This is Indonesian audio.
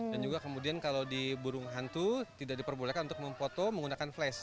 dan juga kemudian kalau di burung hantu tidak diperbolehkan untuk memfoto menggunakan flash